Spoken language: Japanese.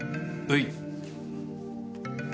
はい。